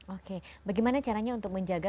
oke bagaimana caranya untuk menjaga